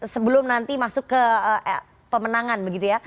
sebelum nanti masuk ke pemenangan